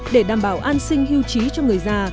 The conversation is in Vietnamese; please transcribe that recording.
để đảm bảo an sinh hưu trí cho người già